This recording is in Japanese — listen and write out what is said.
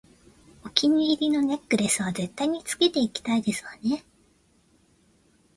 お気に入りのネックレスは絶対につけていきたいですわね